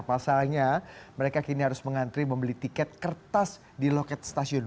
pasalnya mereka kini harus mengantri membeli tiket kertas di loket stasiun